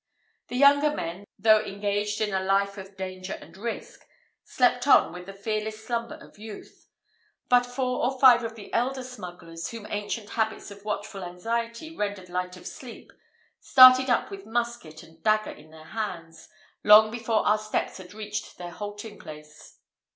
The younger men, though engaged in a life of danger and risk, slept on with the fearless slumber of youth; but four or five of the elder smugglers, whom ancient habits of watchful anxiety rendered light of sleep, started up with musket and dagger in their hands, long before our steps had reached their halting place.